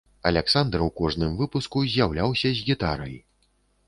Аляксандр у кожным выпуску з'яўляўся з гітарай.